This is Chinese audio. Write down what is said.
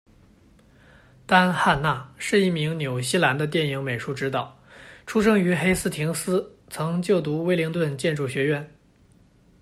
丹·汉纳是一名纽西兰的电影美术指导，出生于黑斯廷斯，曾就读威灵顿建筑学院。